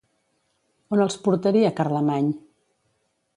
On els portaria Carlemany?